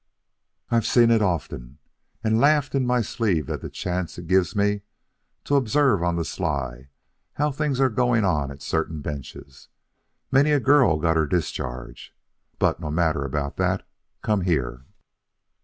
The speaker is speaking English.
I've seen it often and laughed in my sleeve at the chance it gives me to observe on the sly how things are going on at certain benches. Many a girl has got her discharge But no matter about that. Come here.